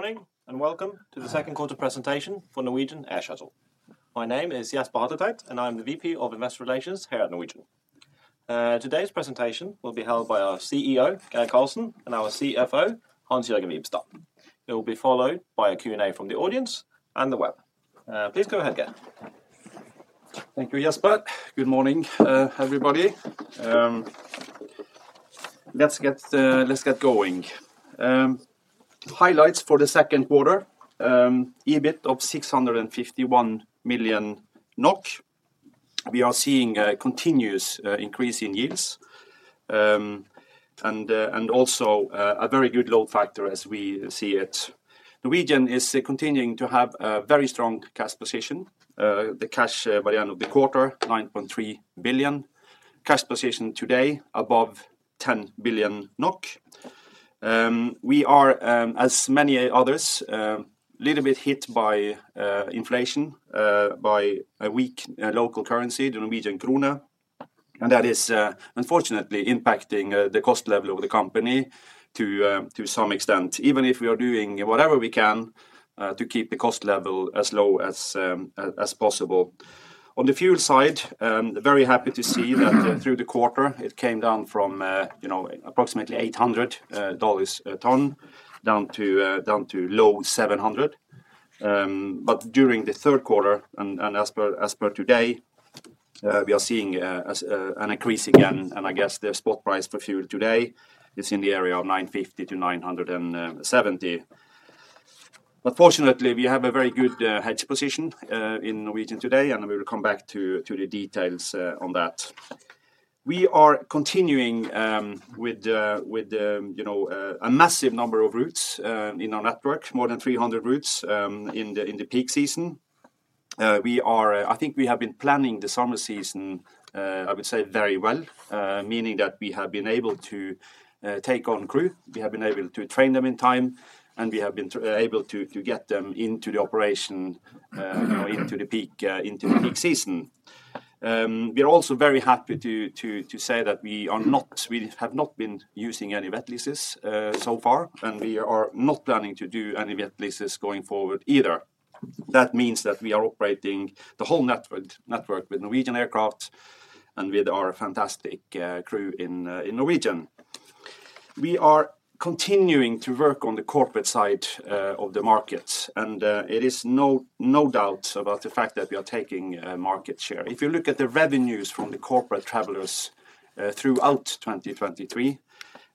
Good morning, and welcome to the Second Quarter Presentation for Norwegian Air Shuttle. My name is Jesper Hatletveit, and I'm the VP of Investor Relations here at Norwegian. Today's presentation will be held by our CEO, Geir Karlsen, and our CFO, Hans-Jørgen Wibstad. It will be followed by a Q&A from the audience and the web. Please go ahead, Geir. Thank you, Jesper. Good morning, everybody. Let's get going. Highlights for the second quarter, EBIT of 651 million NOK. We are seeing a continuous increase in yields and also a very good load factor as we see it. Norwegian is continuing to have a very strong cash position. The cash by the end of the quarter, 9.3 billion. Cash position today, above 10 billion NOK. We are, as many others, a little bit hit by inflation, by a weak local currency, the Norwegian krone, and that is unfortunately impacting the cost level of the company to some extent, even if we are doing whatever we can to keep the cost level as low as possible. On the fuel side, very happy to see that through the quarter, it came down from, you know, approximately $800 a ton, down to low $700. But during the third quarter, and as per today, we are seeing an increase again, and I guess the spot price for fuel today is in the area of $950-$970. But fortunately, we have a very good hedge position in Norwegian today, and we will come back to the details on that. We are continuing with the, you know, a massive number of routes in our network, more than 300 routes in the peak season. I think we have been planning the summer season, I would say very well, meaning that we have been able to take on crew, we have been able to train them in time, and we have been able to get them into the operation, you know, into the peak season. We are also very happy to say that we have not been using any wet leases so far, and we are not planning to do any wet leases going forward either. That means that we are operating the whole network with Norwegian aircraft and with our fantastic crew in Norwegian. We are continuing to work on the corporate side of the market, and it is no doubt about the fact that we are taking market share. If you look at the revenues from the corporate travelers throughout 2023,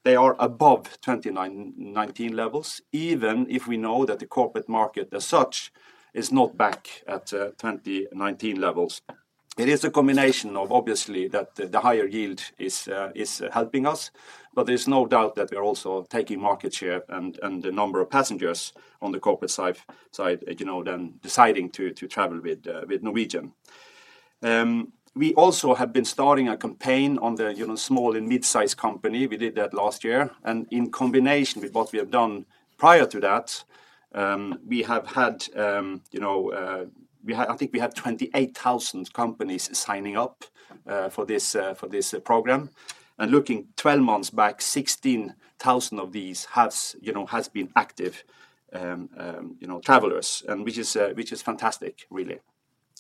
they are above 2019 levels, even if we know that the corporate market as such is not back at 2019 levels. It is a combination of obviously that the higher yield is helping us, but there's no doubt that we are also taking market share and the number of passengers on the corporate side, you know, then deciding to travel with Norwegian. We also have been starting a campaign on the you know small and mid-sized company. We did that last year, and in combination with what we have done prior to that, we have had, you know, we had—I think we had 28,000 companies signing up, for this, for this program. And looking 12 months back, 16,000 of these has, you know, has been active, you know, travelers, and which is, which is fantastic, really.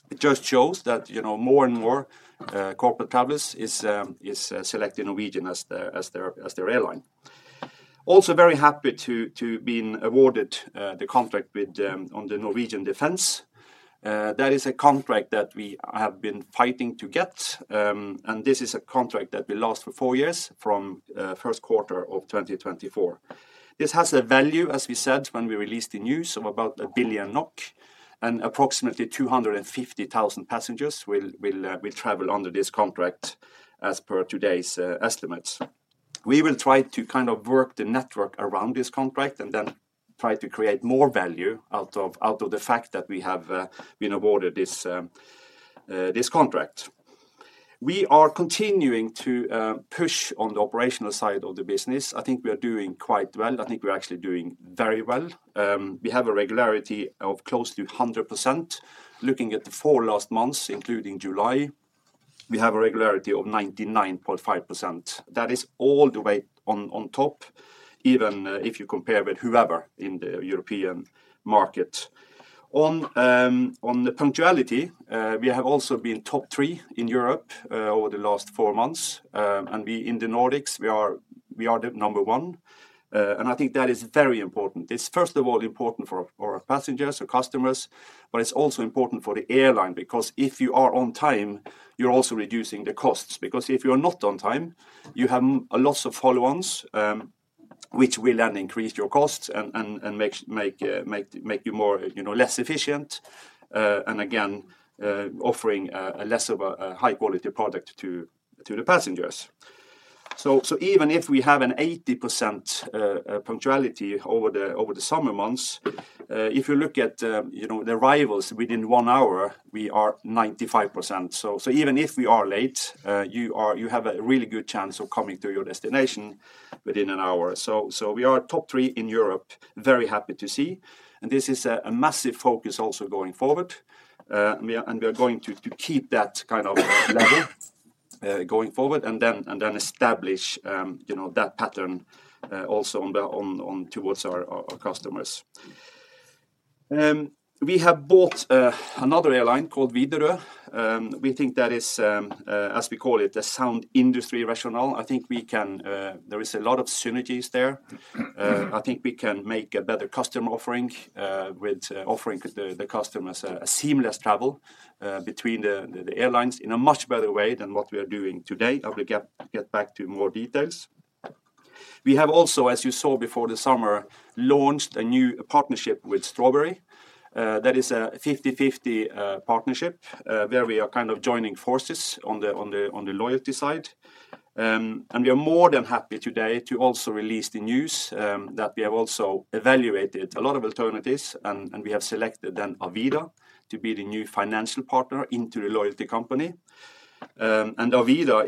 It just shows that, you know, more and more, corporate travelers is, is selecting Norwegian as their, as their, as their airline. Also very happy to, to been awarded, the contract with, on the Norwegian Defence. That is a contract that we have been fighting to get, and this is a contract that will last for four years from, first quarter of 2024. This has a value, as we said when we released the news, of about 1 billion NOK, and approximately 250,000 passengers will travel under this contract as per today's estimates. We will try to kind of work the network around this contract and then try to create more value out of the fact that we have been awarded this contract. We are continuing to push on the operational side of the business. I think we are doing quite well. I think we're actually doing very well. We have a regularity of close to 100%. Looking at the four last months, including July, we have a regularity of 99.5%. That is all the way on top, even if you compare with whoever in the European market. On the punctuality, we have also been top three in Europe over the last four months. And we in the Nordics we are the number one, and I think that is very important. It's first of all important for our passengers, our customers, but it's also important for the airline, because if you are on time, you're also reducing the costs. Because if you are not on time, you have a loss of follow-ons, which will then increase your costs and make you more, you know, less efficient, and again offering a less of a high quality product to the passengers. Even if we have an 80% punctuality over the summer months, if you look at, you know, the arrivals within one hour, we are 95%. Even if we are late, you have a really good chance of coming to your destination within an hour. So we are top three in Europe, very happy to see, and this is a massive focus also going forward, and we are going to keep that kind of level going forward, and then establish, you know, that pattern also on towards our customers. We have bought another airline called Widerøe. We think that is, as we call it, a sound industry rationale. I think we can... There is a lot of synergies there. I think we can make a better customer offering with offering the airlines in a much better way than what we are doing today. I will get back to more details. We have also, as you saw before the summer, launched a new partnership with Strawberry. That is a 50/50 partnership where we are kind of joining forces on the loyalty side. We are more than happy today to also release the news that we have also evaluated a lot of alternatives, and we have selected then Avida to be the new financial partner into the loyalty company. Avida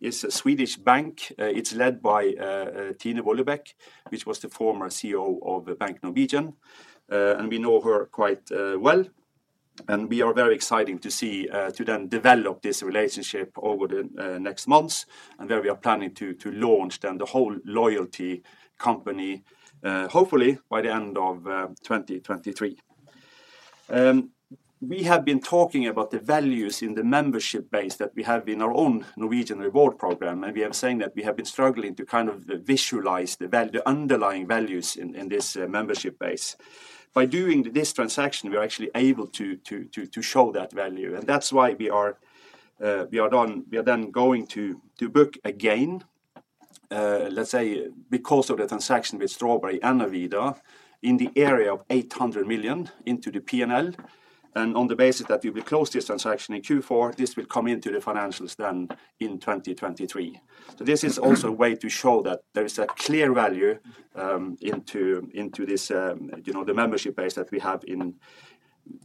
is a Swedish bank. It's led by Tine Wollebekk, which was the former CEO of Bank Norwegian, and we know her quite well, and we are very exciting to see to then develop this relationship over the next months, and where we are planning to launch then the whole loyalty company, hopefully by the end of 2023. We have been talking about the values in the membership base that we have in our own Norwegian Reward program, and we are saying that we have been struggling to kind of visualize the value- the underlying values in this membership base. By doing this transaction, we are actually able to to show that value, and that's why we are then going to book again, let's say, because of the transaction with Strawberry and Avida, 800 million into the PNL. And on the basis that we will close this transaction in Q4, this will come into the financials then in 2023. So this is also a way to show that there is a clear value into this, you know, the membership base that we have in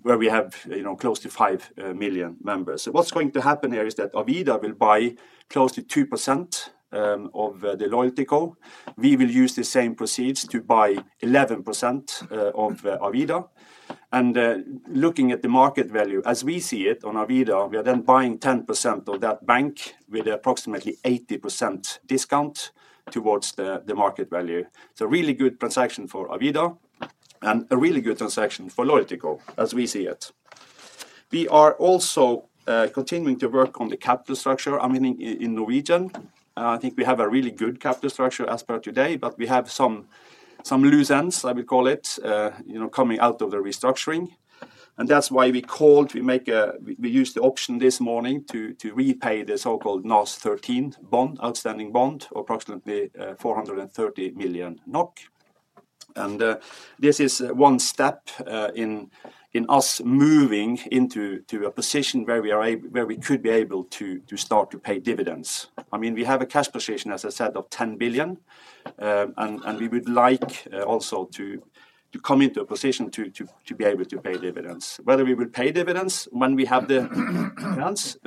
where we have, you know, close to five million members. So what's going to happen here is that Avida will buy close to 2% of the LoyaltyCo. We will use the same proceeds to buy 11% of Avida. Looking at the market value, as we see it on Avida, we are then buying 10% of that bank with approximately 80% discount towards the market value. It's a really good transaction for Avida and a really good transaction for LoyaltyCo, as we see it. We are also continuing to work on the capital structure, I mean, in Norwegian. I think we have a really good capital structure as per today, but we have some loose ends, I will call it, you know, coming out of the restructuring. That's why we used the option this morning to repay the so-called NAS13 bond, outstanding bond, approximately 430 million NOK. This is one step in us moving into a position where we are a... where we could be able to, to start to pay dividends. I mean, we have a cash position, as I said, of 10 billion. And, and we would like, also to, to, to come into a position to be able to pay dividends. Whether we will pay dividends when we have the chance,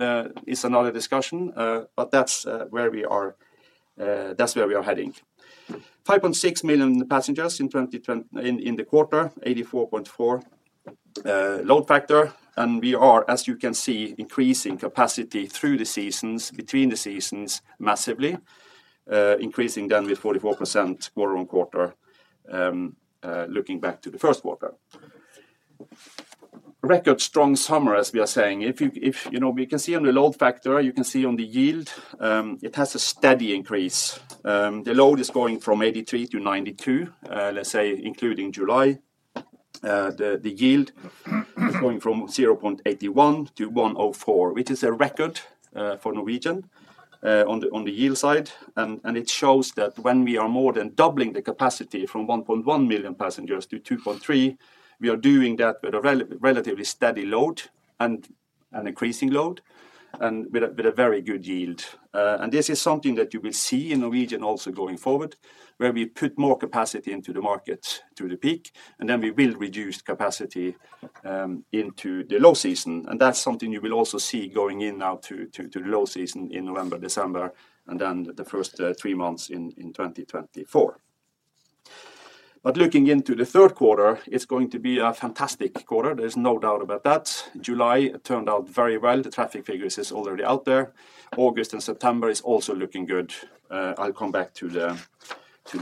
is another discussion, but that's, where we are, that's where we are heading. 5.6 million passengers in 2024 in the quarter, 84.4% load factor, and we are, as you can see, increasing capacity through the seasons, between the seasons massively, increasing down with 44% quarter-on-quarter, looking back to the first quarter. Record strong summer, as we are saying. If you know, we can see on the load factor, you can see on the yield, it has a steady increase. The load is going from 83%-92%, let's say, including July. The yield is going from 0.81 NOK-1.04 NOK, which is a record for Norwegian on the yield side. And it shows that when we are more than doubling the capacity from 1.1 million passengers to 2.3 million passengers, we are doing that with a relatively steady load and an increasing load and with a very good yield. And this is something that you will see in Norwegian also going forward, where we put more capacity into the market, through the peak, and then we will reduce capacity into the low season. That's something you will also see going in now to the low season in November, December, and then the first three months in 2024. But looking into the third quarter, it's going to be a fantastic quarter, there's no doubt about that. July turned out very well. The traffic figures is already out there. August and September is also looking good. I'll come back to the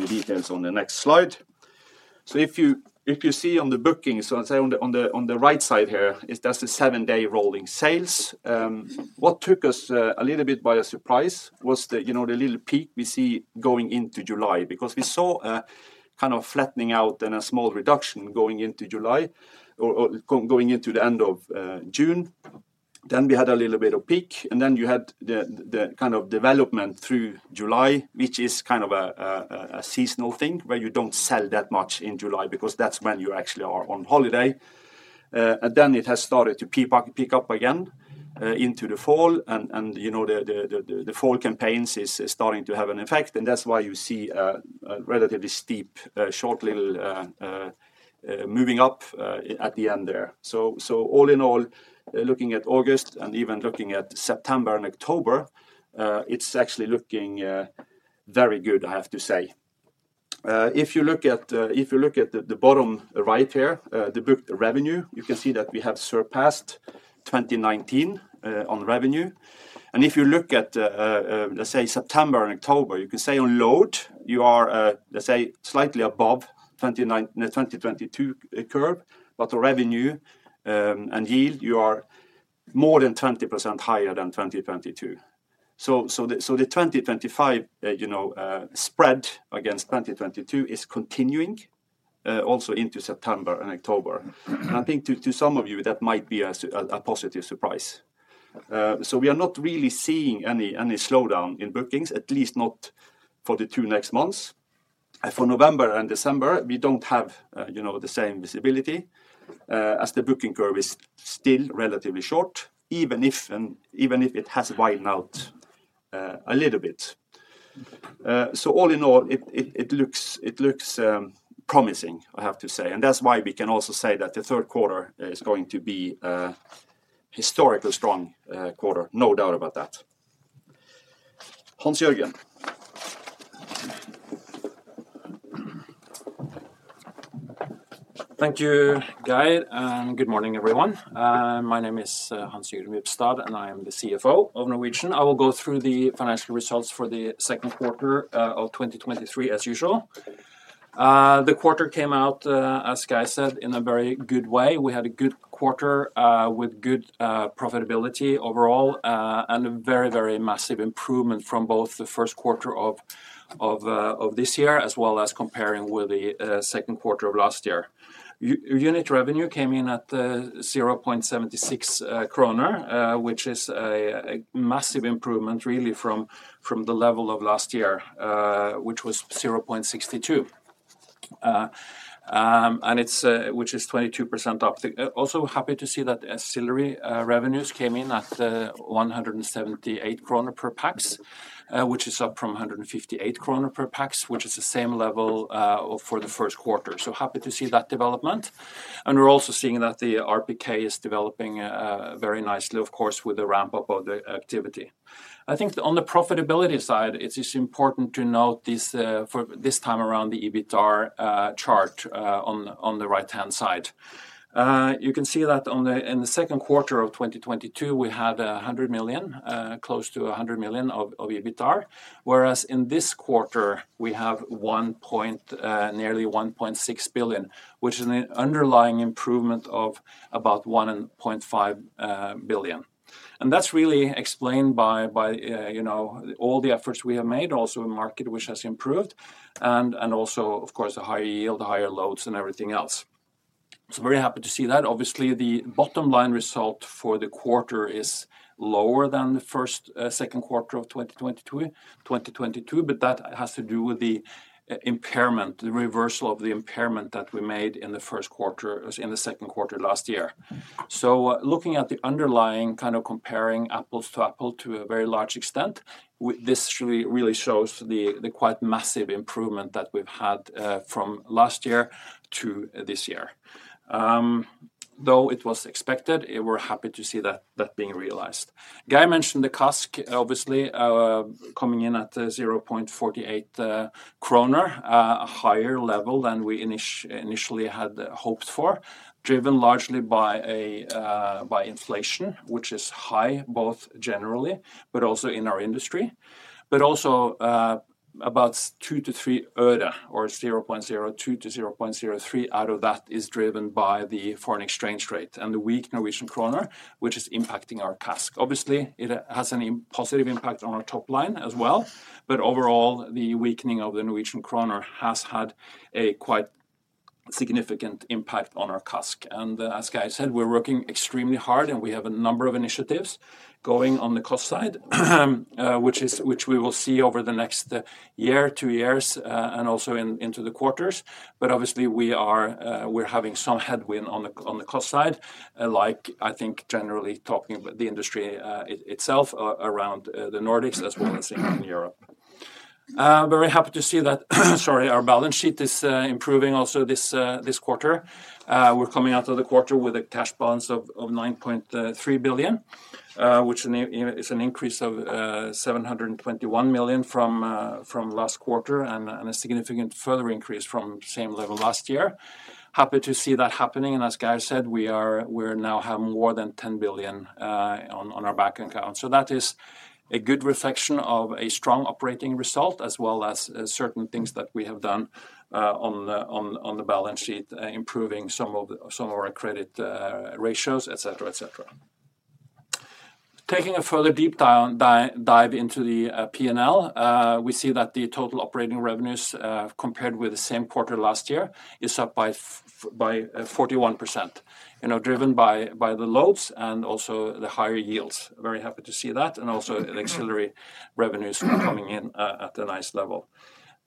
details on the next slide. So if you see on the bookings, on, say, on the right side here, that's the seven-day rolling sales. What took us a little bit by surprise was the, you know, the little peak we see going into July, because we saw a kind of flattening out and a small reduction going into the end of June. Then we had a little bit of peak, and then you had the kind of development through July, which is kind of a seasonal thing, where you don't sell that much in July, because that's when you actually are on holiday. And then it has started to peak up, peak up again into the fall, and, you know, the fall campaigns is starting to have an effect, and that's why you see a relatively steep short little moving up at the end there. So all in all, looking at August and even looking at September and October, it's actually looking very good, I have to say. If you look at the bottom right here, the booked revenue, you can see that we have surpassed 2019 on revenue. And if you look at, let's say, September and October, you can say on load, you are, let's say slightly above 2022 curve, but the revenue and yield, you are more than 20% higher than 2022. So, so the 2025, you know, spread against 2022 is continuing also into September and October. And I think to some of you, that might be a positive surprise. So we are not really seeing any slowdown in bookings, at least not for the two next months. For November and December, we don't have, you know, the same visibility, as the booking curve is still relatively short, even if it has widened out a little bit. So all in all, it looks promising, I have to say. And that's why we can also say that the third quarter is going to be a historically strong quarter. No doubt about that. Hans-Jørgen? Thank you, Geir, and good morning, everyone. My name is Hans-Jørgen Wibstad, and I am the CFO of Norwegian. I will go through the financial results for the second quarter of 2023, as usual. The quarter came out, as Geir said, in a very good way. We had a good quarter with good profitability overall, and a very, very massive improvement from both the first quarter of this year, as well as comparing with the second quarter of last year. Unit revenue came in at 0.76 kroner, which is a massive improvement really from the level of last year, which was 0.62. And it's which is 22% up. Also happy to see that ancillary revenues came in at 178 kroner per pax, which is up from 158 kroner per pax, which is the same level for the first quarter. So happy to see that development. And we're also seeing that the RPK is developing very nicely, of course, with the ramp-up of the activity. I think on the profitability side, it is important to note this for this time around, the EBITDAR chart on the right-hand side. You can see that in the second quarter of 2022, we had close to 100 million of EBITDAR, whereas in this quarter we have nearly 1.6 billion, which is an underlying improvement of about 1.5 billion. That's really explained by you know, all the efforts we have made, also a market which has improved, and also, of course, the higher yield, higher loads, and everything else. So very happy to see that. Obviously, the bottom line result for the quarter is lower than the second quarter of 2022, but that has to do with the impairment, the reversal of the impairment that we made in the first quarter in the second quarter last year. So looking at the underlying, kind of comparing apples to apples to a very large extent, this really, really shows the quite massive improvement that we've had from last year to this year. Though it was expected, and we're happy to see that being realized. Geir mentioned the CASK, obviously, coming in at 0.48 kroner, a higher level than we initially had hoped for, driven largely by inflation, which is high, both generally but also in our industry. But also, about two to three øre, or 0.02-0.03 out of that is driven by the foreign exchange rate and the weak Norwegian kroner, which is impacting our CASK. Obviously, it has any positive impact on our top line as well, but overall, the weakening of the Norwegian kroner has had a quite significant impact on our CASK. As Geir said, we're working extremely hard, and we have a number of initiatives going on the cost side, which we will see over the next year, two years, and also into the quarters. But obviously we are, we're having some headwind on the cost side, like, I think, generally talking about the industry itself around the Nordics, as well as in Europe. Very happy to see that, sorry, our balance sheet is improving also this quarter. We're coming out of the quarter with a cash balance of 9.3 billion, which is an increase of 721 million from last quarter, and a significant further increase from same level last year. Happy to see that happening, and as Geir said, we're now having more than 10 billion on our bank account. So that is a good reflection of a strong operating result, as well as certain things that we have done on the balance sheet, improving some of our credit ratios, et cetera, et cetera. Taking a further deep dive into the P&L, we see that the total operating revenues, compared with the same quarter last year, is up by 41%. You know, driven by the loads and also the higher yields. Very happy to see that, and also the ancillary revenues coming in at a nice level.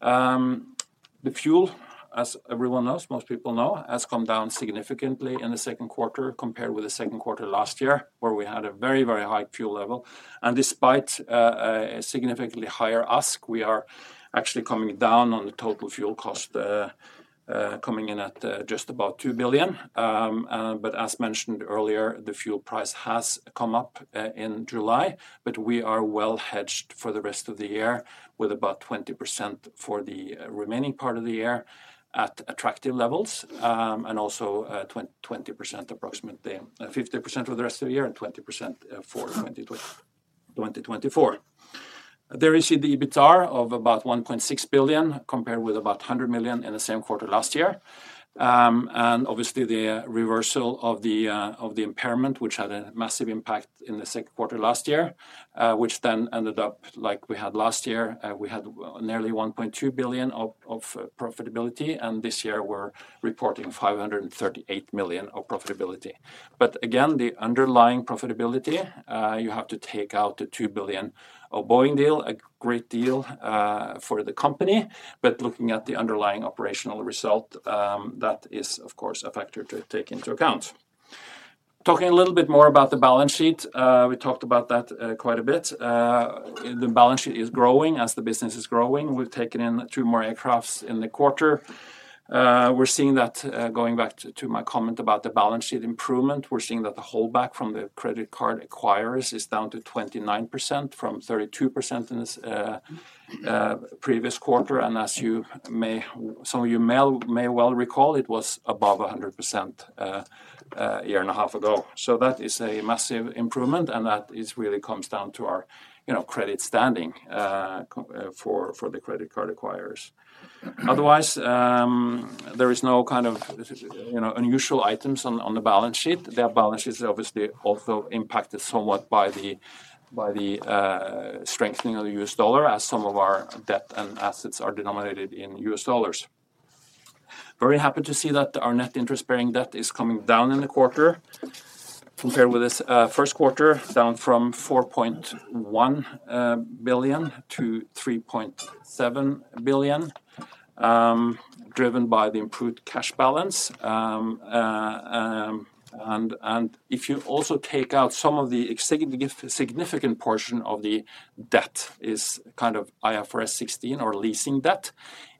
The fuel, as everyone knows, most people know, has come down significantly in the second quarter compared with the second quarter last year, where we had a very, very high fuel level. And despite a significantly higher ASK, we are actually coming down on the total fuel cost, coming in at just about 2 billion. But as mentioned earlier, the fuel price has come up in July, but we are well hedged for the rest of the year, with about 20% for the remaining part of the year at attractive levels. And also, 20% approximately, 50% for the rest of the year and 20% for 2024. There is the EBITA of about 1.6 billion, compared with about 100 million in the same quarter last year. Obviously, the reversal of the impairment, which had a massive impact in the second quarter last year, which then ended up like we had last year. We had nearly 1.2 billion of profitability, and this year we're reporting 538 million of profitability. But again, the underlying profitability, you have to take out the 2 billion of Boeing deal, a great deal, for the company. But looking at the underlying operational result, that is, of course, a factor to take into account. Talking a little bit more about the balance sheet, we talked about that quite a bit. The balance sheet is growing as the business is growing. We've taken in 2 more aircraft in the quarter. We're seeing that, going back to my comment about the balance sheet improvement, we're seeing that the holdback from the credit card acquirers is down to 29% from 32% in this previous quarter. And as you may, some of you may well recall, it was above 100% a year and a half ago. So that is a massive improvement, and that is really comes down to our, you know, credit standing for the credit card acquirers. Otherwise, there is no kind of, you know, unusual items on the balance sheet. The balance sheet is obviously also impacted somewhat by the strengthening of the U.S. dollar, as some of our debt and assets are denominated in U.S. dollars. Very happy to see that our net interest-bearing debt is coming down in the quarter, compared with this first quarter, down from 4.1 billion-3.7 billion, driven by the improved cash balance. And if you also take out some of the significant portion of the debt is kind of IFRS 16 or leasing debt.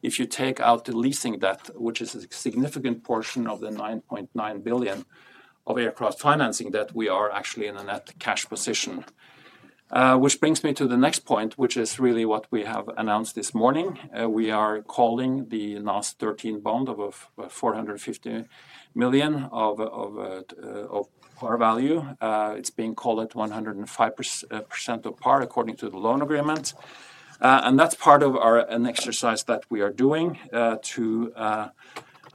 If you take out the leasing debt, which is a significant portion of the 9.9 billion of aircraft financing debt, we are actually in a net cash position. Which brings me to the next point, which is really what we have announced this morning. We are calling the last NAS13 bond of 450 million of par value. It's being called at 105% of par, according to the loan agreement. That's part of an exercise that we are doing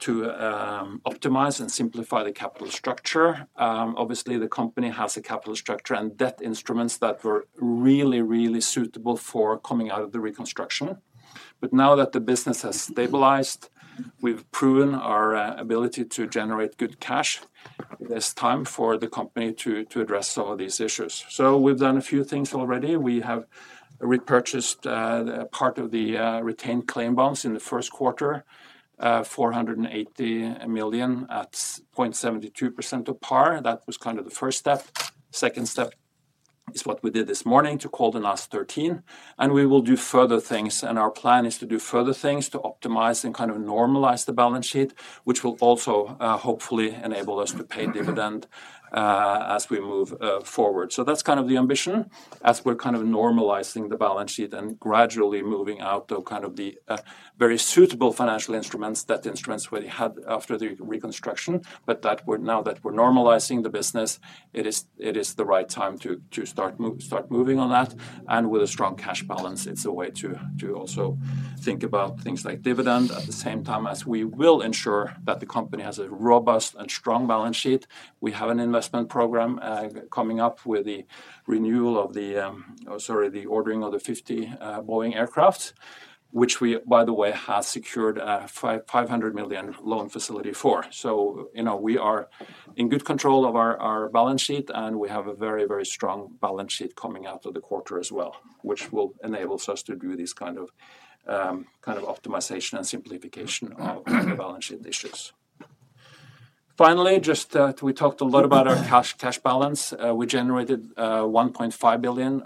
to optimize and simplify the capital structure. Obviously, the company has a capital structure and debt instruments that were really, really suitable for coming out of the reconstruction. But now that the business has stabilized, we've proven our ability to generate good cash, it is time for the company to address some of these issues. We've done a few things already. We have repurchased the part of the retained claim bonds in the first quarter, 480 million at 72% of par. That was kind of the first step. Second step is what we did this morning to call the last 13, and we will do further things, and our plan is to do further things to optimize and kind of normalize the balance sheet, which will also hopefully enable us to pay dividend as we move forward. So that's kind of the ambition, as we're kind of normalizing the balance sheet and gradually moving out of kind of the very suitable financial instruments that the instruments we had after the reconstruction, but now that we're normalizing the business, it is the right time to start moving on that, and with a strong cash balance, it's a way to also think about things like dividend. At the same time, as we will ensure that the company has a robust and strong balance sheet, we have an investment program, coming up with the renewal of the ordering of the 50 Boeing aircraft, which we, by the way, have secured a 500 million loan facility for. So, you know, we are in good control of our, our balance sheet, and we have a very, very strong balance sheet coming out of the quarter as well, which will enables us to do this kind of, kind of optimization and simplification of the balance sheet issues. Finally, just, we talked a lot about our cash, cash balance. We generated 1.5 billion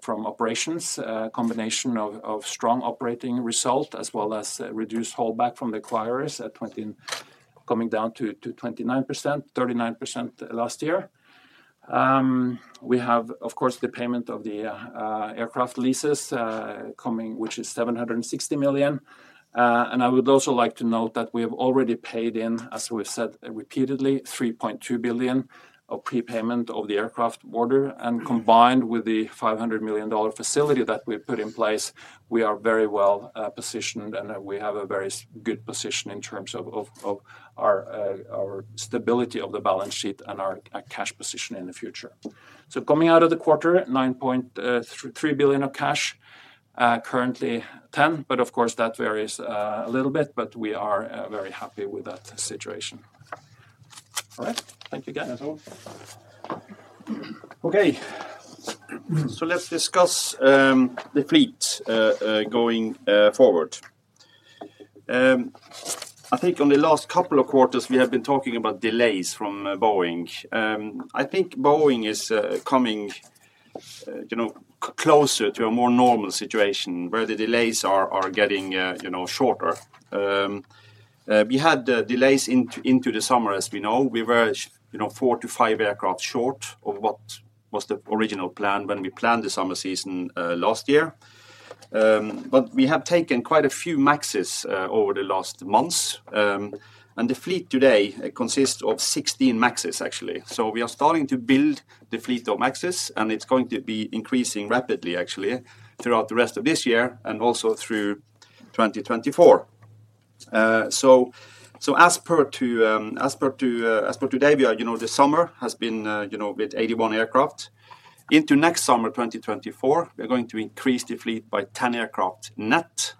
from operations, a combination of strong operating result, as well as reduced holdback from the acquirers coming down to 29%, 39% last year. We have, of course, the payment of the aircraft leases coming, which is 760 million. And I would also like to note that we have already paid in, as we've said repeatedly, 3.2 billion of prepayment of the aircraft order, and combined with the $500 million facility that we've put in place, we are very well positioned, and we have a very good position in terms of our stability of the balance sheet and our cash position in the future. So coming out of the quarter, 9.3 billion of cash, currently 10 billion, but of course, that varies a little bit, but we are very happy with that situation. All right. Thank you, guys. That's all. Okay. So let's discuss the fleet going forward. I think on the last couple of quarters, we have been talking about delays from Boeing. I think Boeing is coming-... you know, closer to a more normal situation where the delays are getting, you know, shorter. We had the delays into the summer, as we know. We were, you know, four to five aircraft short of what was the original plan when we planned the summer season, last year. But we have taken quite a few MAXes over the last months, and the fleet today consists of 16 MAXes, actually. So we are starting to build the fleet of MAXes, and it's going to be increasing rapidly, actually, throughout the rest of this year and also through 2024. So as per today, we are, you know, the summer has been, you know, with 81 aircraft. Into next summer, 2024, we are going to increase the fleet by 10 aircraft net.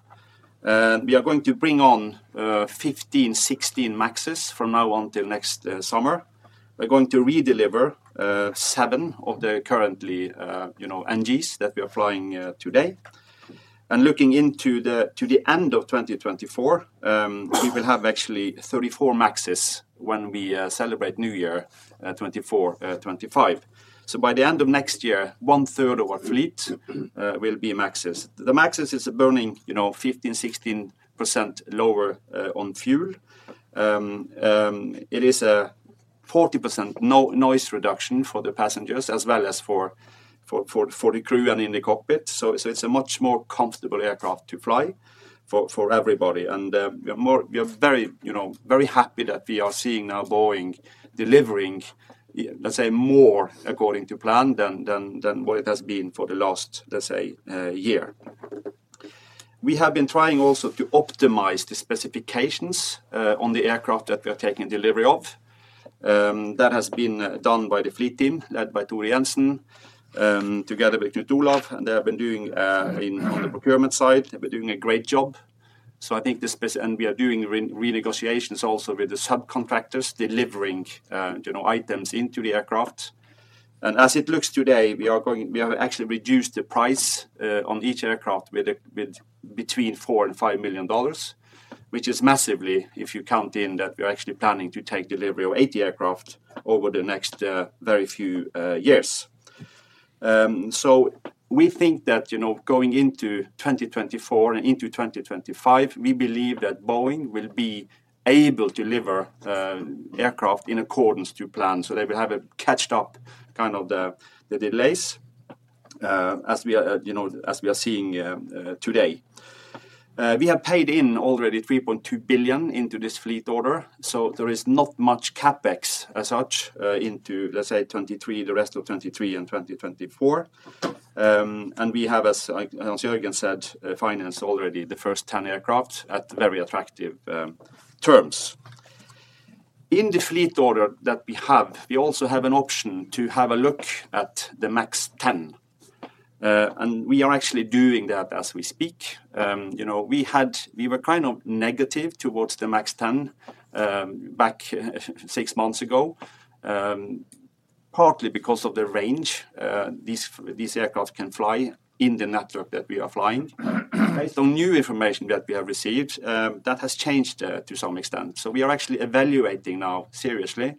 We are going to bring on 15-16 MAXes from now until next summer. We're going to redeliver seven of the currently, you know, NGs that we are flying today. And looking into to the end of 2024, we will have actually 34 MAXes when we celebrate New Year, 2024-2025. So by the end of next year, 1/3 of our fleet will be MAXes. The MAXes is burning, you know, 15%-16% lower on fuel. It is a 40% noise reduction for the passengers, as well as for the crew and in the cockpit. So it's a much more comfortable aircraft to fly for everybody, and we are very, you know, very happy that we are seeing now Boeing delivering, let's say, more according to plan than what it has been for the last, let's say, year. We have been trying also to optimize the specifications on the aircraft that we are taking delivery of. That has been done by the fleet team, led by Tore Jenssen, together with Knut Olav, and they have been doing, on the procurement side, they've been doing a great job. So I think and we are doing renegotiations also with the subcontractors, delivering, you know, items into the aircraft. As it looks today, we have actually reduced the price on each aircraft with between $4 million and $5 million, which is massively if you count in that we are actually planning to take delivery of 80 aircraft over the next very few years. We think that, you know, going into 2024 and into 2025, we believe that Boeing will be able to deliver aircraft in accordance to plan, so they will have a caught up kind of the, the delays as we are, you know, as we are seeing today. We have paid in already $3.2 billion into this fleet order, so there is not much CapEx as such into, let's say, 2023, the rest of 2023 and 2024. And we have, as Jørgen said, financed already the first 10 aircraft at very attractive terms. In the fleet order that we have, we also have an option to have a look at the MAX 10. And we are actually doing that as we speak. You know, we were kind of negative towards the MAX 10 back six months ago, partly because of the range. These aircraft can fly in the network that we are flying. Based on new information that we have received, that has changed to some extent. So we are actually evaluating now seriously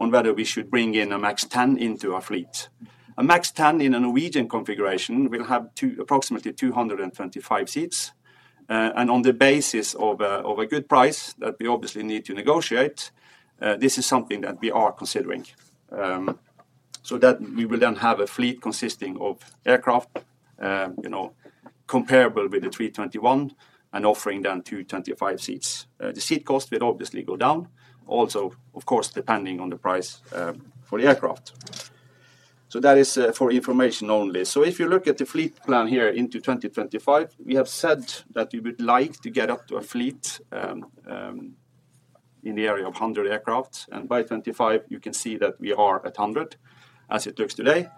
on whether we should bring in a MAX 10 into our fleet. A MAX 10 in a Norwegian configuration will have approximately 225 seats, and on the basis of a good price, that we obviously need to negotiate, this is something that we are considering. So that we will then have a fleet consisting of aircraft, you know, comparable with the 321 and offering down to 25 seats. The seat cost will obviously go down, also, of course, depending on the price for the aircraft. So that is for information only. So if you look at the fleet plan here into 2025, we have said that we would like to get up to a fleet in the area of 100 aircraft, and by 2025, you can see that we are at 100, as it looks today.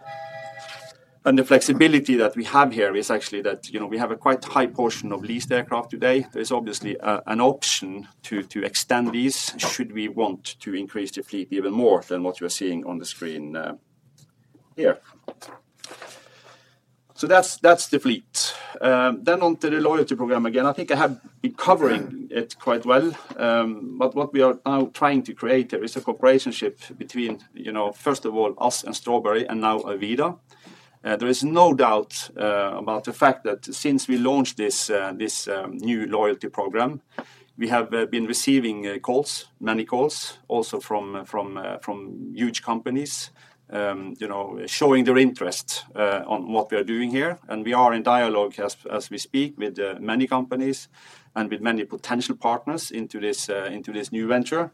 The flexibility that we have here is actually that, you know, we have a quite high portion of leased aircraft today. There is obviously an option to extend these, should we want to increase the fleet even more than what you are seeing on the screen here. So that's the fleet. On to the loyalty program again, I think I have been covering it quite well, but what we are now trying to create there is a partnership between, you know, first of all, us and Strawberry, and now Avida. There is no doubt about the fact that since we launched this new loyalty program, we have been receiving calls, many calls, also from huge companies, you know, showing their interest on what we are doing here. We are in dialogue as we speak with many companies and with many potential partners into this new venture,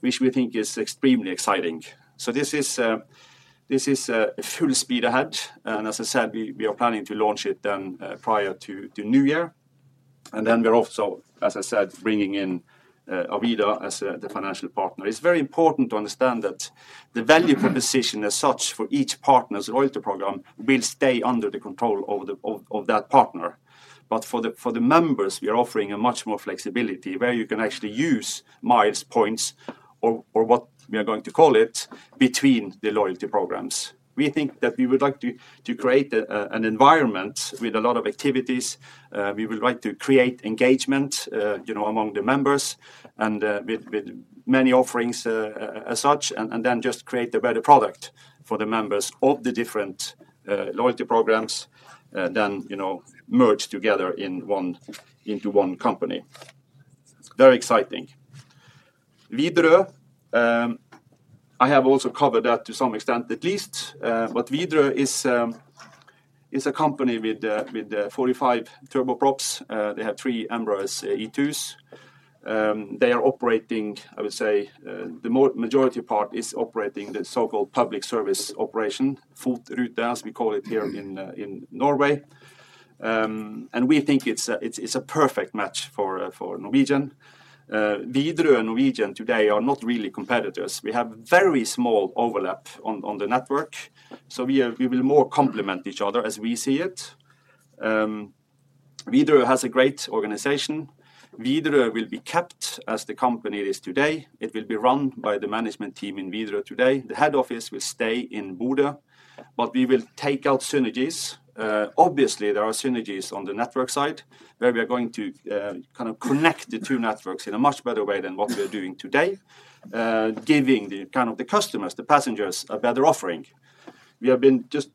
which we think is extremely exciting. So this is full speed ahead, and as I said, we are planning to launch it then prior to New Year. And then we're also, as I said, bringing in Avida as the financial partner. It's very important to understand that the value proposition as such for each partner's loyalty program will stay under the control of that partner. But for the members, we are offering a much more flexibility, where you can actually use miles, points, or what we are going to call it, between the loyalty programs. We think that we would like to create an environment with a lot of activities. We would like to create engagement, you know, among the members and with many offerings, as such, and then just create a better product for the members of the different loyalty programs than you know merged together into one company. Very exciting! Widerøe, I have also covered that to some extent, at least. But Widerøe is a company with 45 turboprops. They have three Embraer E2s. They are operating, I would say, the majority part is operating the so-called public service operation, FOT-ruten, as we call it here in Norway. And we think it's a perfect match for Norwegian. Widerøe and Norwegian today are not really competitors. We have very small overlap on the network, so we will more complement each other as we see it. Widerøe has a great organization. Widerøe will be kept as the company it is today. It will be run by the management team in Widerøe today. The head office will stay in Bodø, but we will take out synergies. Obviously, there are synergies on the network side, where we are going to kind of connect the two networks in a much better way than what we are doing today, giving the kind of the customers, the passengers, a better offering. We have been just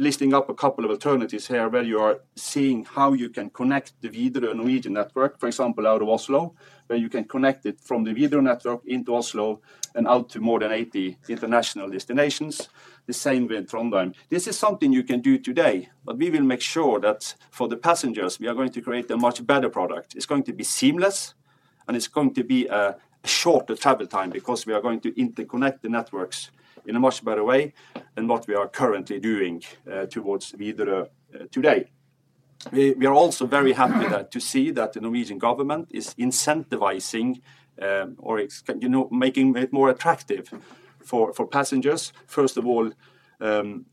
listing up a couple of alternatives here, where you are seeing how you can connect the Widerøe and Norwegian network. For example, out of Oslo, where you can connect it from the Widerøe network into Oslo and out to more than 80 international destinations. The same with Trondheim. This is something you can do today, but we will make sure that for the passengers, we are going to create a much better product. It's going to be seamless, and it's going to be a shorter travel time because we are going to interconnect the networks in a much better way than what we are currently doing towards Widerøe today. We are also very happy to see that the Norwegian government is incentivizing, or you know, making it more attractive for passengers, first of all, in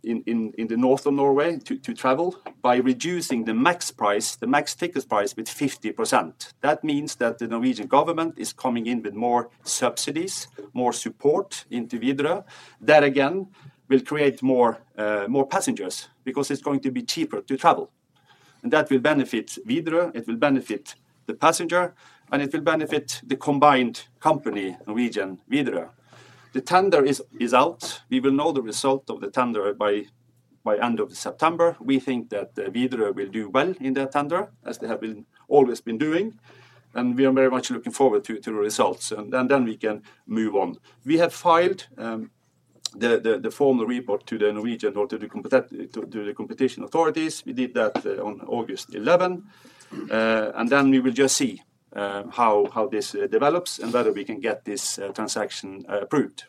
the north of Norway, to travel, by reducing the max price, the max ticket price, with 50%. That means that the Norwegian government is coming in with more subsidies, more support into Widerøe. That, again, will create more passengers, because it's going to be cheaper to travel, and that will benefit Widerøe, it will benefit the passenger, and it will benefit the combined company, Norwegian-Widerøe. The tender is out. We will know the result of the tender by end of September. We think that Widerøe will do well in the tender, as they have been always been doing, and we are very much looking forward to the results, and then we can move on. We have filed the formal report to the Norwegian authority to the competition authorities. We did that on August 11. And then we will just see how this develops and whether we can get this transaction approved.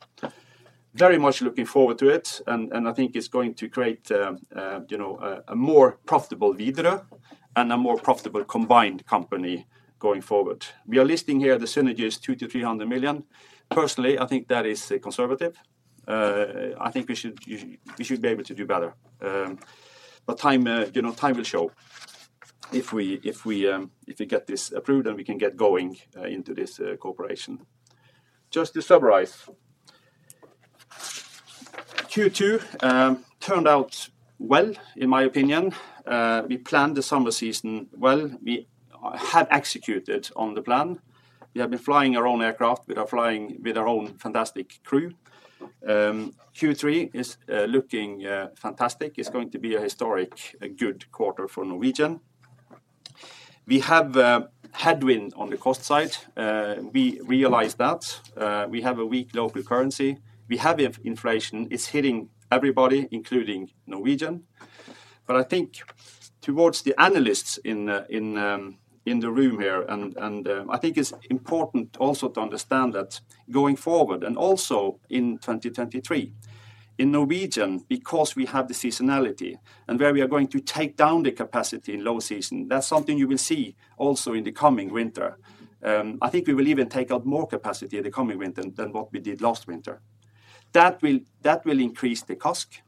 Very much looking forward to it, and I think it's going to create, you know, a more profitable Widerøe and a more profitable combined company going forward. We are listing here the synergy is 200 million-300 million. Personally, I think that is conservative. I think we should be able to do better. But time, you know, time will show if we get this approved, and we can get going into this cooperation. Just to summarize, Q2 turned out well, in my opinion. We planned the summer season well. We have executed on the plan. We have been flying our own aircraft. We are flying with our own fantastic crew. Q3 is looking fantastic. It's going to be a historic, a good quarter for Norwegian. We have headwind on the cost side. We realize that. We have a weak local currency. We have inflation. It's hitting everybody, including Norwegian. But I think towards the analysts in the room here, and I think it's important also to understand that going forward, and also in 2023, in Norwegian, because we have the seasonality, and where we are going to take down the capacity in low season, that's something you will see also in the coming winter. I think we will even take out more capacity in the coming winter than what we did last winter. That will increase the CASK.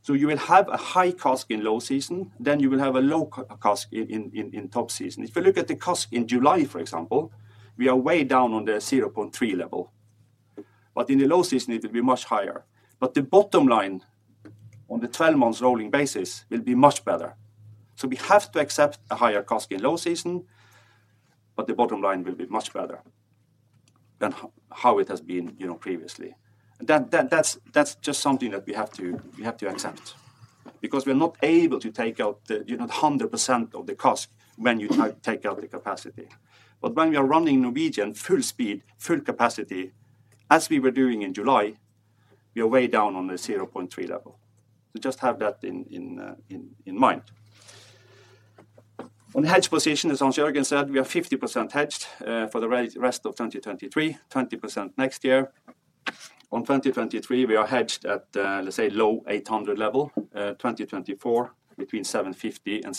So you will have a high CASK in low season, then you will have a low CASK in top season. If you look at the CASK in July, for example, we are way down on the 0.3 level, but in the low season, it will be much higher. But the bottom line, on the 12-month rolling basis, will be much better. So we have to accept a higher CASK in low season, but the bottom line will be much better than how it has been, you know, previously. And that, that's just something that we have to accept. Because we're not able to take out the, you know, the 100% of the CASK when you take out the capacity. But when we are running Norwegian full speed, full capacity, as we were doing in July, we are way down on the 0.3 level. So just have that in mind. On hedge position, as Hans-Jørgen said, we are 50% hedged, for the rest of 2023, 20% next year. On 2023, we are hedged at, let's say low $800 level, 2024, between $750 and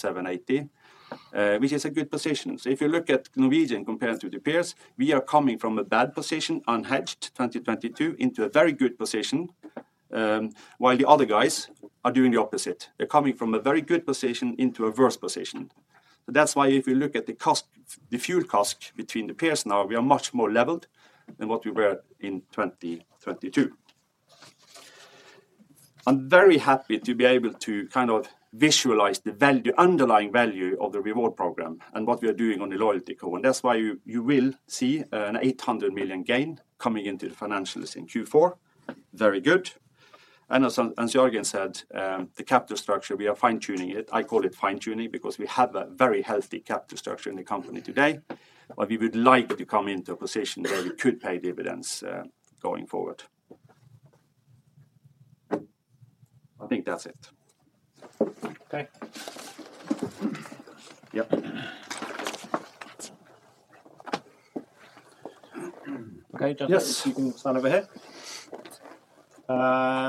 $780, which is a good position. So if you look at Norwegian compared to the peers, we are coming from a bad position, unhedged 2022, into a very good position, while the other guys are doing the opposite. They're coming from a very good position into a worse position. So that's why if you look at the CASK, the fuel CASK between the peers now, we are much more leveled than what we were in 2022. I'm very happy to be able to kind of visualize the value, underlying value of the reward program and what we are doing on the loyalty core, and that's why you will see an 800 million gain coming into the financials in Q4. Very good. And as Jørgen said, the capital structure, we are fine-tuning it. I call it fine-tuning because we have a very healthy capital structure in the company today, but we would like to come into a position where we could pay dividends going forward. I think that's it. Okay. Yep. Okay, John- Yes. You can stand over here.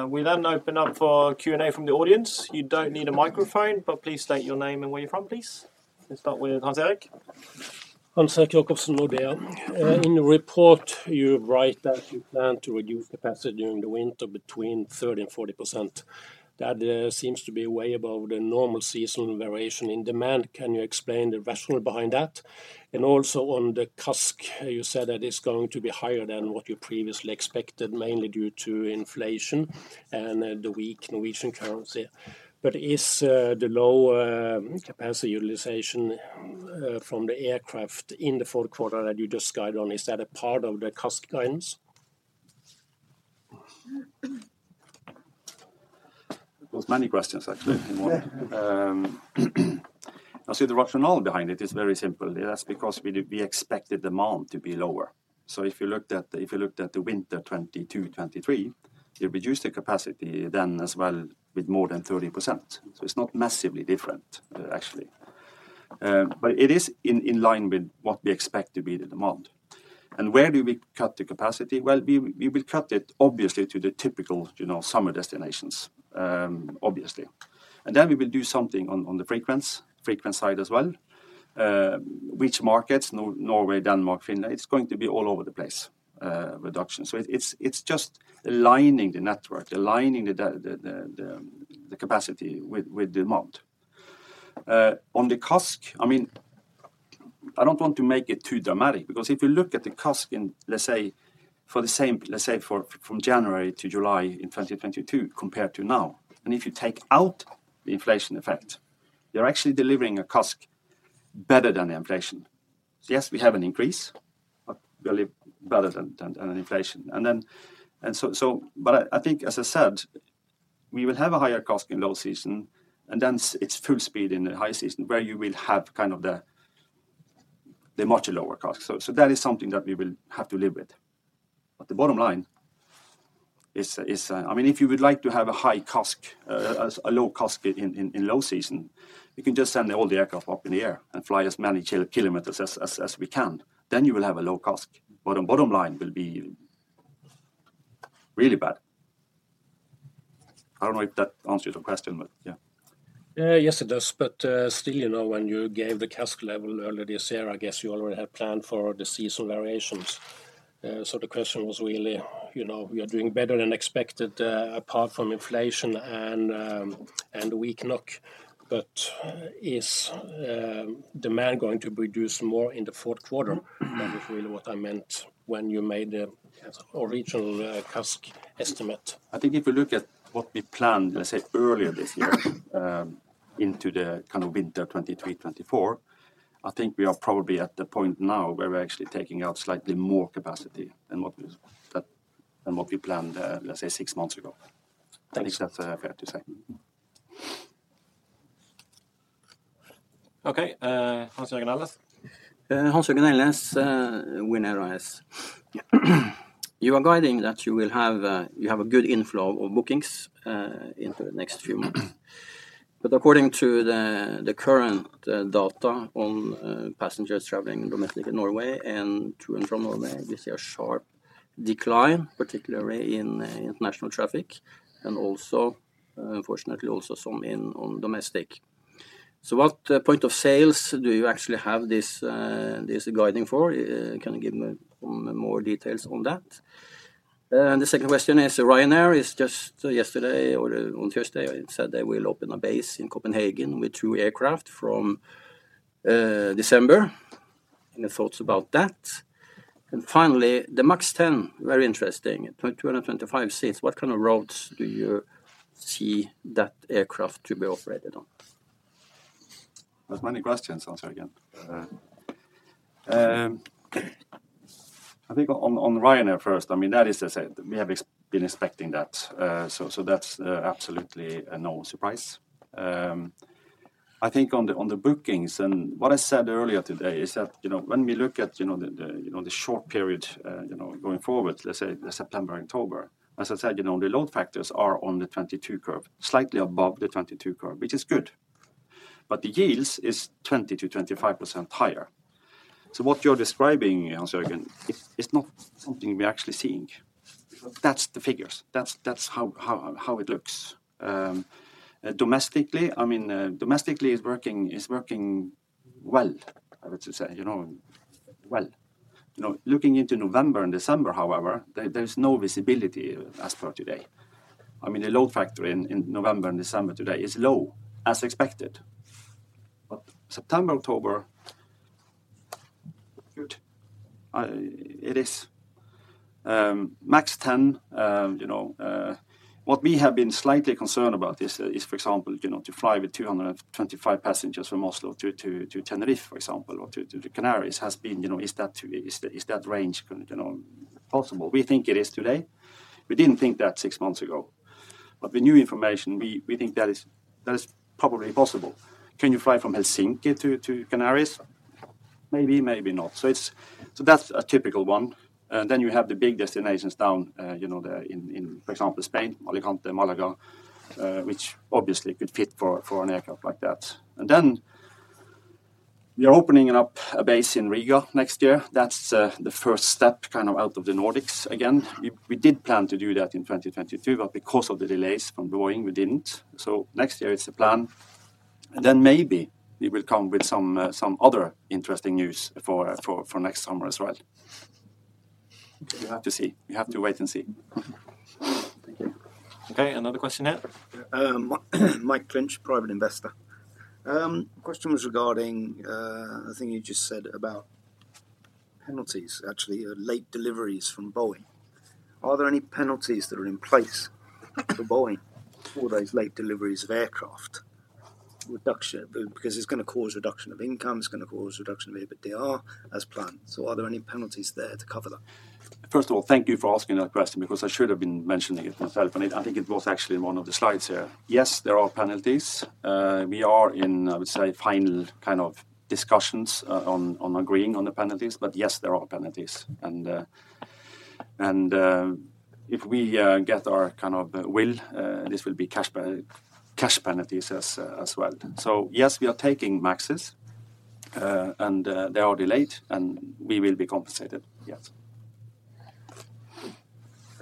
We then open up for Q&A from the audience. You don't need a microphone, but please state your name and where you're from, please. Let's start with Hans-Erik. Hans Erik Jacobsen, Nordea. In the report, you write that you plan to reduce capacity during the winter between 30%-40%. That seems to be way above the normal seasonal variation in demand. Can you explain the rationale behind that? And also on the CASK, you said that it's going to be higher than what you previously expected, mainly due to inflation and the weak Norwegian currency. But is the low capacity utilization from the aircraft in the fourth quarter that you just guided on, is that a part of the CASK guidance? There was many questions, actually. I see the rationale behind it is very simple. That's because we expected demand to be lower. So if you looked at the winter 2022-2023, you reduced the capacity then as well with more than 30%. So it's not massively different, actually. But it is in line with what we expect to be the demand. And where do we cut the capacity? Well, we will cut it obviously to the typical, you know, summer destinations, obviously. And then we will do something on the frequent side as well. Which markets? Norway, Denmark, Finland, it's going to be all over the place, reduction. So it's just aligning the network, aligning the capacity with demand. On the CASK, I mean, I don't want to make it too dramatic because if you look at the CASK in, let's say, for the same, let's say for from January to July in 2022 compared to now, and if you take out the inflation effect, they're actually delivering a CASK better than the inflation. So yes, we have an increase, but believe better than an inflation. And so, but I think as I said, we will have a higher CASK in low season, and then it's full speed in the high season, where you will have kind of the much lower CASK. So that is something that we will have to live with. But the bottom line is... I mean, if you would like to have a high CASK as a low CASK in low season, you can just send all the aircraft up in the air and fly as many kilometers as we can. Then you will have a low CASK, but the bottom line will be really bad. I don't know if that answers your question, but yeah. Yes, it does. But still, you know, when you gave the CASK level earlier this year, I guess you already had planned for the seasonal variations. So the question was really, you know, we are doing better than expected, apart from inflation and weak NOK, but is demand going to be reduced more in the fourth quarter? Mm-hmm. That is really what I meant when you made the original CASK estimate. I think if you look at what we planned, let's say, earlier this year, into the kind of winter 2023-2024, I think we are probably at the point now where we're actually taking out slightly more capacity than what we planned, let's say, six months ago. Thanks. I think that's fair to say. Okay, Hans-Jørgen Wibstad. Hans-Jørgen Wibstad, Widerøe. You are guiding that you will have, you have a good inflow of bookings, into the next few months. But according to the, the current, data on, passengers traveling domestic in Norway and to and from Norway, we see a sharp decline, particularly in international traffic and also, fortunately, also some in on domestic. So what point of sales do you actually have this, this guiding for? Can you give me more details on that? The second question is, Ryanair is just yesterday or on Thursday, said they will open a base in Copenhagen with two aircraft from, December. Any thoughts about that? And finally, the MAX 10, very interesting, 225 seats. What kind of routes do you see that aircraft to be operated on? That's many questions, Hans-Jørgen again. I think on Ryanair first, I mean, that is to say, we have been expecting that. So that's absolutely no surprise. I think on the bookings and what I said earlier today is that, you know, when we look at, you know, the short period, you know, going forward, let's say September, October, as I said, you know, the load factors are on the 2022 curve, slightly above the 2022 curve, which is good, but the yields is 20%-25% higher. So what you're describing, Hans-Jørgen again, is not something we're actually seeing. That's the figures. That's how it looks. Domestically, I mean, domestically, it's working well. I would just say, you know, well. You know, looking into November and December, however, there, there's no visibility as per today. I mean, the load factor in November and December today is low, as expected. But September, October, good. It is MAX 10, you know, what we have been slightly concerned about is, for example, you know, to fly with 225 passengers from Oslo to Tenerife, for example, or to the Canaries, has been, you know, is that range gonna possible. We think it is today. We didn't think that six months ago, but with new information, we think that is probably possible. Can you fly from Helsinki to Canaries? Maybe, maybe not. So that's a typical one, and then you have the big destinations down, you know, in, in, for example, Spain, Alicante, Málaga, which obviously could fit for an aircraft like that. And then we are opening up a base in Riga next year. That's the first step, kind of, out of the Nordics again. We did plan to do that in 2022, but because of the delays from Boeing, we didn't. So next year it's a plan, and then maybe we will come with some other interesting news for next summer as well. We have to see. We have to wait and see. Thank you. Okay, another question here. Yeah, Mike Lynch, private investor. Question was regarding the thing you just said about penalties, actually, or late deliveries from Boeing. Are there any penalties that are in place for Boeing for those late deliveries of aircraft? Reduction because it's gonna cause reduction of income, it's gonna cause reduction of EBITDA as planned. So are there any penalties there to cover that? First of all, thank you for asking that question, because I should have been mentioning it myself, and it, I think it was actually in one of the slides here. Yes, there are penalties. We are in, I would say, final, kind of, discussions on agreeing on the penalties, but yes, there are penalties. And, if we get our, kind of, will, this will be cash penalties as well. So yes, we are taking MAXes, and they are delayed, and we will be compensated. Yes.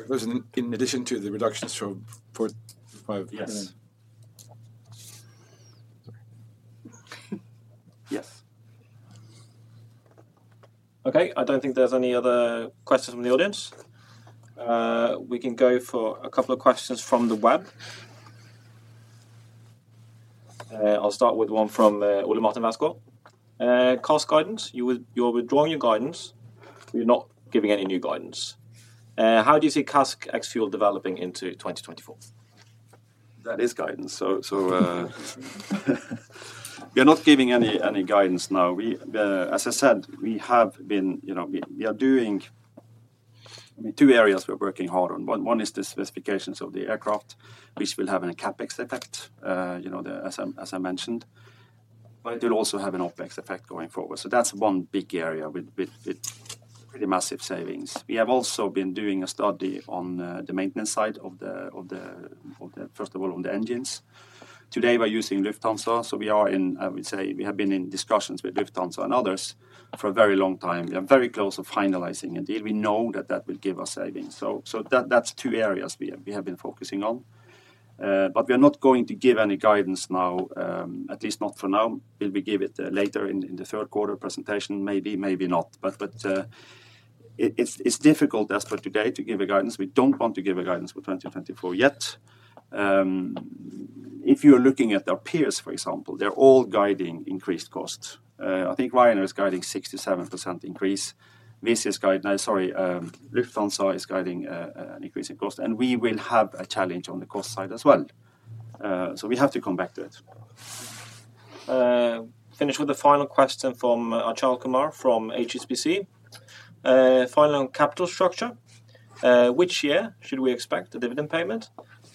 Those are in addition to the reductions from 4 million to 5 million? Yes. Sorry. Yes. Okay, I don't think there's any other questions from the audience. We can go for a couple of questions from the web. I'll start with one from Ole Martin Westgaard. CASK guidance. You're withdrawing your guidance. You're not giving any new guidance. How do you see CASK ex fuel developing into 2024? That is guidance. So we are not giving any guidance now. As I said, we have been, you know, we are doing. I mean, two areas we are working hard on. One is the specifications of the aircraft, which will have a CapEx effect, you know, as I mentioned, but it will also have an OpEx effect going forward. So that's one big area with pretty massive savings. We have also been doing a study on the maintenance side, first of all, on the engines. Today, we're using Lufthansa, so I would say we have been in discussions with Lufthansa and others for a very long time. We are very close to finalizing a deal. We know that that will give us savings. So, that's two areas we have, we have been focusing on. But we are not going to give any guidance now, at least not for now. Will we give it later in the third quarter presentation? Maybe, maybe not. But it's difficult as for today to give a guidance. We don't want to give a guidance for 2024 yet. If you're looking at our peers, for example, they're all guiding increased costs. I think Ryanair is guiding 67% increase. Lufthansa is guiding an increase in cost, and we will have a challenge on the cost side as well. So we have to come back to it. Finish with a final question from Achal Kumar from HSBC. Final on capital structure. Which year should we expect a dividend payment?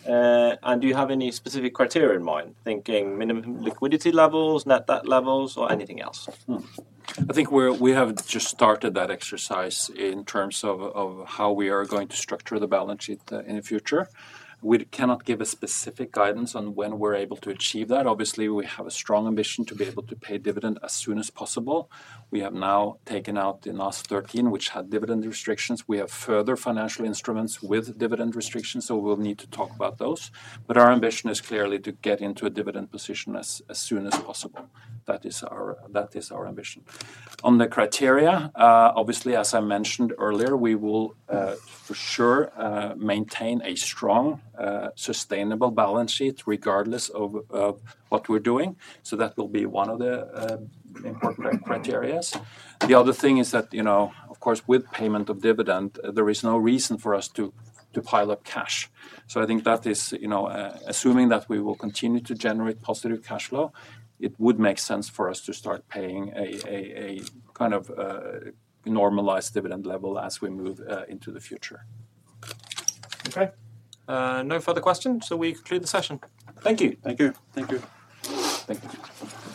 And do you have any specific criteria in mind, thinking minimum liquidity levels, net debt levels, or anything else? I think we have just started that exercise in terms of how we are going to structure the balance sheet in the future. We cannot give a specific guidance on when we're able to achieve that. Obviously, we have a strong ambition to be able to pay dividend as soon as possible. We have now taken out the last 13, which had dividend restrictions. We have further financial instruments with dividend restrictions, so we'll need to talk about those. But our ambition is clearly to get into a dividend position as soon as possible. That is our ambition. On the criteria, obviously, as I mentioned earlier, we will for sure maintain a strong sustainable balance sheet regardless of what we're doing. So that will be one of the important criteria. The other thing is that, you know, of course, with payment of dividend, there is no reason for us to pile up cash. So I think that is, you know, assuming that we will continue to generate positive cash flow, it would make sense for us to start paying a kind of normalized dividend level as we move into the future. Okay, no further questions, so we conclude the session. Thank you. Thank you. Thank you. Thank you.